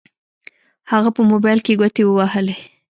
هغه په موبايل کې ګوتې ووهلې.